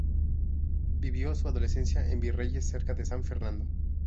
Vivió su adolescencia en Virreyes, cerca de San Fernando.